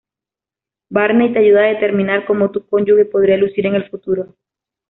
Barney te ayuda a determinar cómo tu cónyuge podría lucir en el futuro.